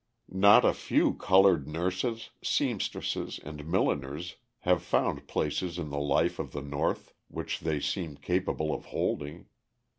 Not a few coloured nurses, seamstresses and milliners have found places in the life of the North which they seem capable of holding.